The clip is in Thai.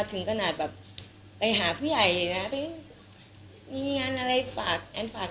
ถึงขนาดแบบไปหาผู้ใหญ่นะไปมีงานอะไรฝากแอนฝาก